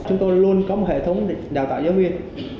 chúng tôi luôn có một hệ thống đào tạo giáo viên